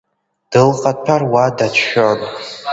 Дылҟаҭәар ҳәа дацәшәон.